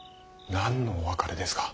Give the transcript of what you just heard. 何のお別れですか。